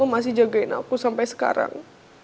masih jagain aku sampai sekarang